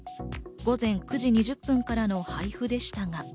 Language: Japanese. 午前９時２０分からの配布でしたが。